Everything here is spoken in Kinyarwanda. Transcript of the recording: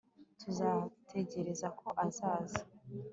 turatekereza ko azaza